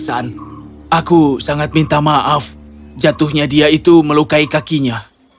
aku sangat minta maaf jatuhnya dia itu melukai kakinya